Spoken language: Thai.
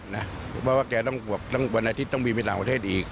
เพราะว่าแกต้องวันอาทิตย์ต้องบินไปต่างประเทศอีก